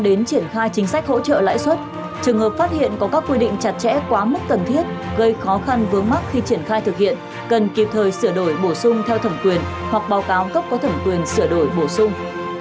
để triển khai chính sách hỗ trợ lãi suất trường hợp phát hiện có các quy định chặt chẽ quá mức cần thiết gây khó khăn vướng mắt khi triển khai thực hiện cần kịp thời sửa đổi bổ sung theo thẩm quyền hoặc báo cáo cấp có thẩm quyền sửa đổi bổ sung